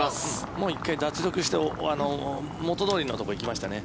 もう１回脱力して元どおりのところへ行きましたね。